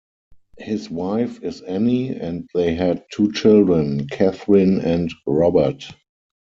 His wife is Anne, and they had two children, Kathryn and Robert.